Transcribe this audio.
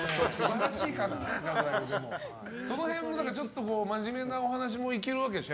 その辺の真面目なお話もいけるわけでしょ？